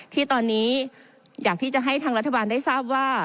ที่ตอนนี้อยากที่จะให้ทางรัฐบาลได้ทราบว่า